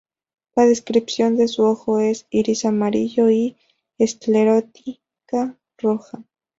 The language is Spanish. La descripción de su ojo es: Iris amarillo y esclerótica roja.